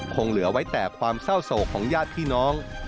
คงเหลือไว้แต่ความเศร้าโศกของญาติพี่น้อง